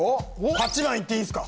８番いっていいですか？